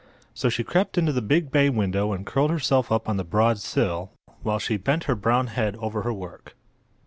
So she crept into the big bay window and curled herself up on the broad sill while she bent her brown head over her work.